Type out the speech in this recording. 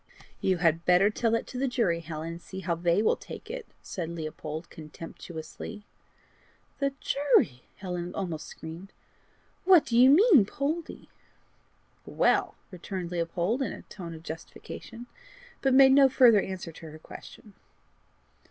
"You had better tell that to the jury, Helen, and see how they will take it," said Leopold contemptuously. "The jury!" Helen almost screamed. "What do you mean, Poldie?" "Well!" returned Leopold, in a tone of justification, but made no further answer to her question.